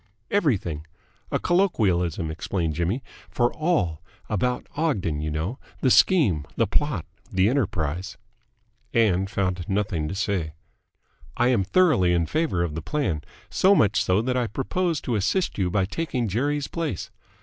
"Everything. A colloquialism," explained Jimmy, "for 'all.' About Ogden, you know. The scheme. The plot. The enterprise." Ann found nothing to say. "I am thoroughly in favour of the plan. So much so that I propose to assist you by taking Jerry's place."